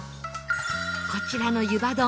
こちらの湯葉丼